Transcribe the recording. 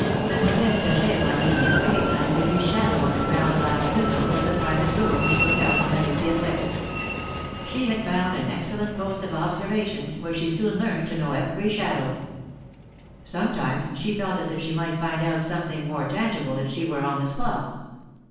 Mademoiselle Saget one evening recognized Quenu's shadow on the ground glass windows of the private room which looked out on la Rue Pirouette. She had found an excellent post of observation, where she soon learned to know every shadow. Sometimes she felt as if she might find out something more tangible if she were on the spot.